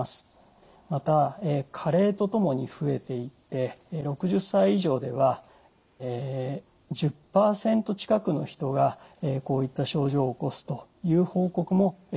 また加齢とともに増えていって６０歳以上では１０％近くの人がこういった症状を起こすという報告も国際的にはされています。